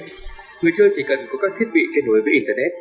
người chơi chỉ cần có các thiết bị kết nối với internet